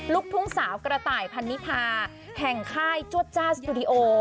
ลูกทุ่งสาวกระต่ายพันนิพาแห่งค่ายจวดจ้าสตูดิโอ